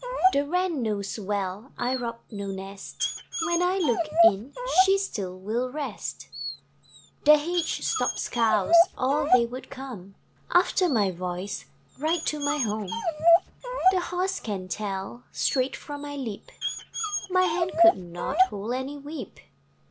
The Wren knows well I rob no nest: When I look in, She still will rest. The hedge stops Cows, Or they would come After my voice Right to my home. RAINBOW GOLD The Horse can tell, Straight from my lip, My hand could not Hold any whip.